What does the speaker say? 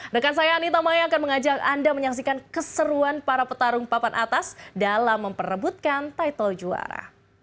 rekan saya anita maya akan mengajak anda menyaksikan keseruan para petarung papan atas dalam memperebutkan title juara